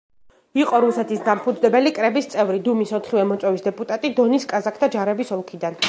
იყო რუსეთის დამფუძნებელი კრების წევრი, დუმის ოთხივე მოწვევის დეპუტატი დონის კაზაკთა ჯარების ოლქიდან.